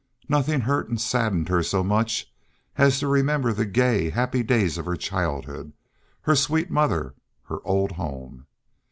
Nothing hurt and saddened her so much as to remember the gay, happy days of her childhood, her sweet mother, her, old home.